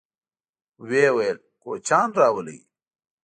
ويې ويل: کوچيان راولئ!